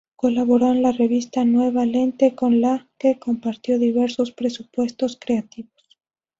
Colaboró en la revista Nueva Lente con la que compartió diversos presupuestos creativos.